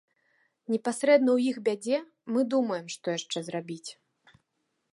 Непасрэдна ў іх бядзе мы думаем, што яшчэ зрабіць.